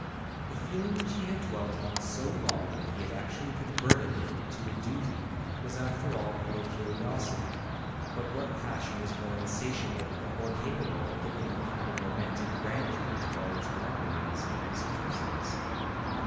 The feeling which he had dwelt on so long, that he had actually converted it into a duty, was after all mere curiosity; but what passion is more insatiable, or more capable of giving a kind of romantic grandeur to all its wanderings and eccentricities?